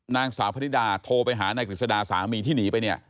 นางสาวพระนิดาโทรไปหานายกฤษดาสามีที่หนีไปเนี่ย